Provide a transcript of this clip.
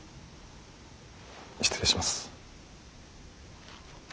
失礼します。